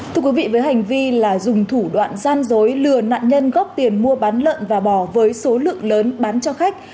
thưa quý vị với hành vi là dùng thủ đoạn gian dối lừa nạn nhân góp tiền mua bán lợn và bò với số lượng lớn bán cho khách